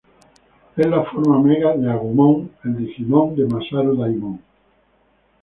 Es la forma Mega de Agumon, el Digimon de Masaru Daimon.